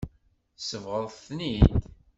Tsebɣeḍ-ten-id.